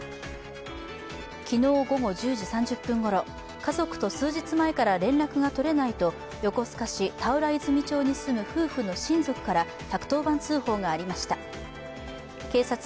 昨日午後１０時３０分ごろ、家族と数日前から連絡が取れないと横須賀市田浦泉町に住む夫婦の親族から１１０番通報がありました。